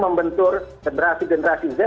membentur generasi generasi z